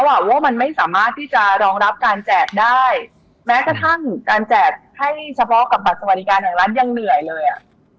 ว่ามันไม่สามารถที่จะรองรับการแจกได้แม้กระทั่งการแจกให้เฉพาะกับบัตรสวัสดิการแห่งรัฐยังเหนื่อยเลยอ่ะ